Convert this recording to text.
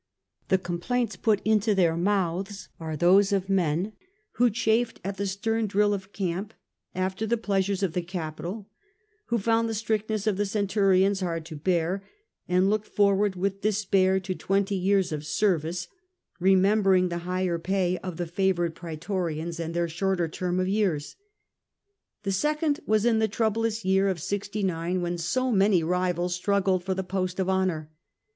The complaints put into their mouths are those of men who chafed at the stern drill of camp after the pleasures of the capital, who found the strictness of the centurions hard to bear, and looked forward with despair to twenty years of service, remembering the higher pay of the favoured praetorians 212 The Earlier Empire, and their shorter term of years. The second was in the troublous year of 69, when so many rivals struggled for the post of honour.